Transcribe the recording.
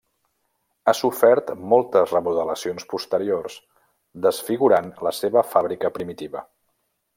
Ha sofert moltes remodelacions posteriors, desfigurant la seva fàbrica primitiva.